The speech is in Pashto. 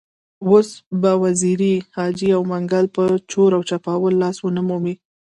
اوس به وزیري، جاجي او منګل په چور او چپاول لاس ونه مومي.